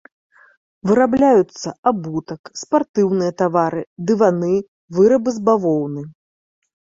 Вырабляюцца абутак, спартыўныя тавары, дываны, вырабы з бавоўны.